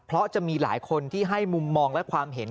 เพราะจะมีหลายคนที่ให้มุมมองและความเห็น